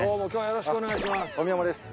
よろしくお願いします。